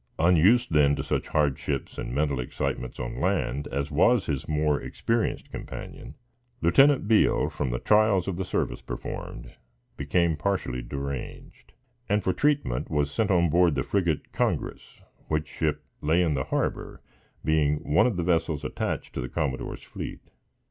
Unused then to such hardships and mental excitements on land, as was his more experienced companion, Lieutenant Beale, from the trials of the service performed, became partially deranged; and for treatment, was sent on board the frigate Congress, which ship lay in the harbor, being one of the vessels attached to the commodore's fleet.